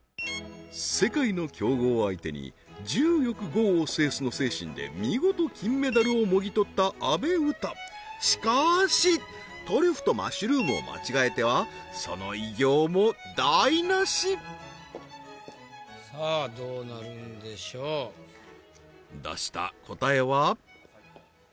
世界の強豪相手に柔よく剛を制すの精神で見事金メダルをもぎ取った阿部詩しかーしトリュフとマッシュルームを間違えてはその偉業も台なし出した答えは？